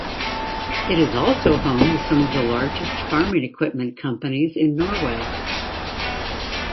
It is also home to some of the largest farming equipment companies in Norway.